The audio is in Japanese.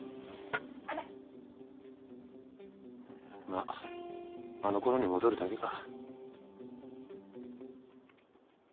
まっあのころに戻るだけか。